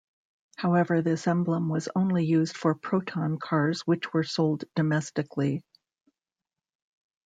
However, this emblem was only used for Proton cars which were sold domestically.